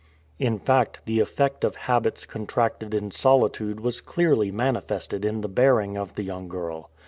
In fact, the effect of habits contracted in solitude was clearly manifested in the bearing of the young girl.